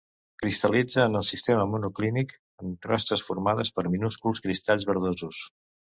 Cristal·litza en el sistema monoclínic en crostes formades per minúsculs cristalls verdosos.